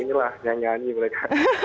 ini lah nyanyi nyanyi mereka